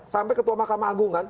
sampai ketua mahkamah agungan